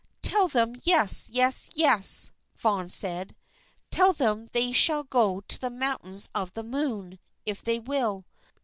"Tell them yes, yes, yes!" Vaughan said. "Tell them they shall go to the Mountains of the Moon, if they will.